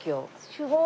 すごい。